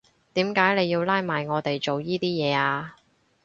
點解你要拉埋我哋做依啲嘢呀？